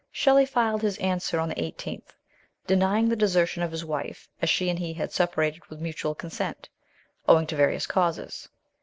Shelley filed his answer on the 18th, denying the desertion of his wife, as she and he had separated with mutual consent, owing to various causes.